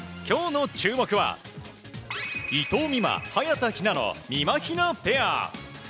今日の注目は伊藤美誠、早田ひなのみまひなペア。